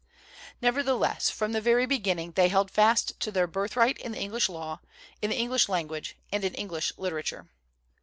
Nevertheless from the very beginning they held fast to their birthright in the English law, in the English language and in English litera ture.